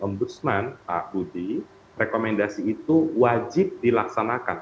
ombudsman pak budi rekomendasi itu wajib dilaksanakan